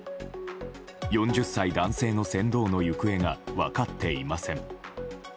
４０歳男性の船頭の行方が分かっていません。